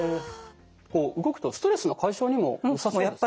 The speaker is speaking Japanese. こう動くとストレスの解消にもよさそうですね。